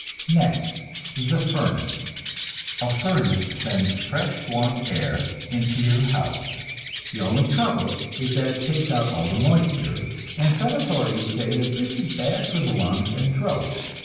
Next, the furnace. A furnace sends fresh warm air into your house; the only trouble is that it takes out all the moisture, and some authorities say that this is bad for the lungs and throat.